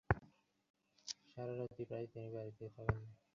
তিনি এই রেকর্ডটি ধারণ করেছিলেন।